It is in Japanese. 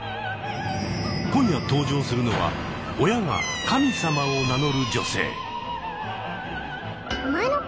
今夜登場するのは親が神様を名乗る女性。